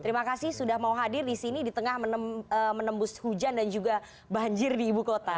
terima kasih sudah mau hadir di sini di tengah menembus hujan dan juga banjir di ibu kota